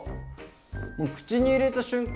もう口に入れた瞬間